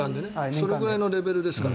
それぐらいのレベルですから。